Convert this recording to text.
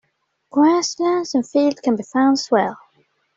Grasslands and fields can be found as well.